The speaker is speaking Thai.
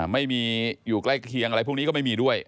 ไม่มีอยู่ใกล้เคียงอะไรพวกนี้ก็ไม่มีด้วย